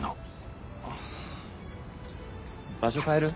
場所変える？